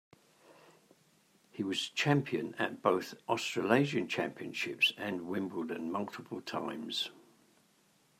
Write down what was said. He was the champion at both the Australasian Championships and Wimbledon multiple times.